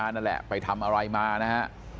ผ่านมานั่นแหละไปทำอะไรมานะฮะ